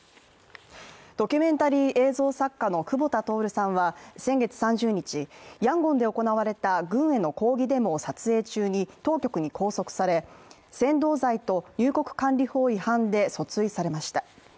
ドキュメンタリー映像作家の久保田徹さんは先月３０日ヤンゴンで行われた軍への抗議デモを撮影中に当局に拘束され、扇動罪と入国管理法違反で訴追されました。